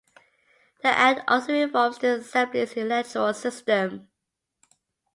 The Act also reforms the Assembly's electoral system.